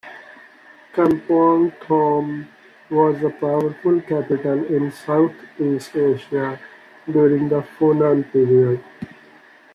Kampong Thom was a powerful capital in Southeast Asia during the Funan period.